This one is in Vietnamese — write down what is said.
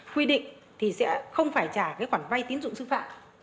quy định thì sẽ không phải trả cái khoản vay tín dụng sư phạm